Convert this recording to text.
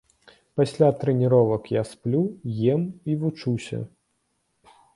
Пасля трэніровак я сплю, ем і вучуся.